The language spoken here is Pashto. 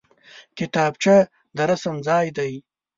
کتابچه د رسم ځای دی